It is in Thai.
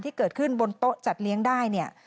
ที่เกิดขึ้นบนโต๊ะจัดเลี้ยงได้เนี่ย